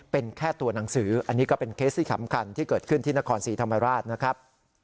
เป็นแค่ตัวหนังสืออันนี้ก็เป็นเคสที่สำคัญที่เกิดขึ้นที่นครศรีธรรมราชนะครับ